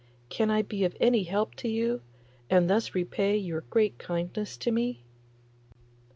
Can I be of any help to you, and thus repay your great kindness to me?